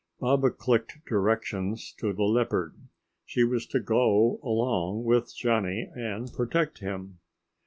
Baba clicked directions to the leopard. She was to go along with Johnny and protect him.